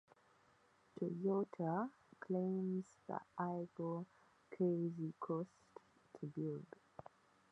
Toyota claims the Aygo Crazy cost to build.